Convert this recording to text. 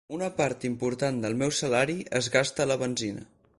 Una part important del meu salari es gasta a la benzina.